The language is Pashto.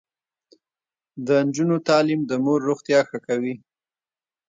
د نجونو تعلیم د مور روغتیا ښه کوي.